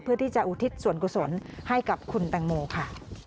เพื่อที่จะอุทิศส่วนกุศลให้กับคุณแตงโมค่ะ